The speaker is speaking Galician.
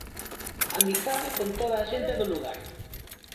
Amizade con toda a xente do lugar.